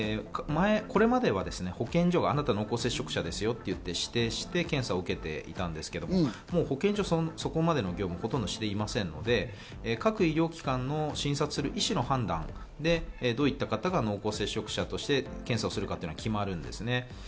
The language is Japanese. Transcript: これまでは保健所が、あなたは濃厚接触者ですよと指定して検査を受けていたんですけど、保健所はそこまでの業務をほとんどしていませんので各医療機関の診察する医師の判断で、どういった方が濃厚接触者として検査をするか決まるんですね。